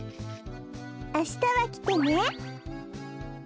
あしたはきてね。